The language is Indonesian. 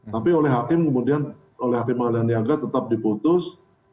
tapi oleh hakim kemudian oleh hakim malayaniaga tetap diputus